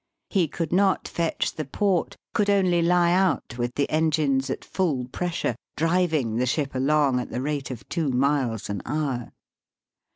He could not fetch the port, could only lie out with the engines at full pressure, driving the ship along at the rate of two miles an hour.